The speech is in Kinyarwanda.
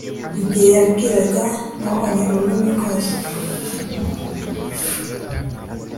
Igihe yambwiraga nabonye ururimi rwose